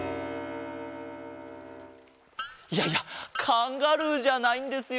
いやいやカンガルーじゃないんですよ